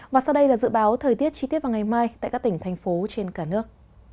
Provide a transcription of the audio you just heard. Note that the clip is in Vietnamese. và sau đây là dự báo thời tiết chi tiết vào ngày mai tại các tỉnh thành phố trên cả nước